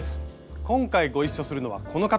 今回ご一緒するのはこの方です。